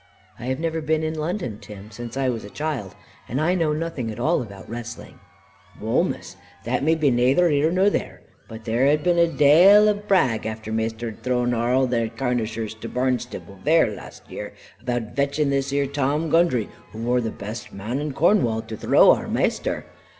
"I have never been in London, Tim, since I was a child; and I know nothing at all about wrestling." "Wull, Miss, that be nayther here nor there. But there had been a dale of brag after Maister had thrown arl they Carnishers to Barnstable vair, last year, about vetching this here Tom Gundry, who wor the best man in Cornwall, to throw our Maister.